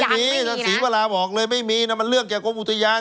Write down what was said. ท่านศรีวราบอกเลยไม่มีนะมันเรื่องแก่กรมอุทยาน